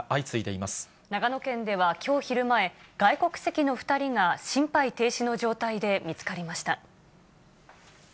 長野県では、きょう昼前、外国籍の２人が心肺停止の状態で見つかりました。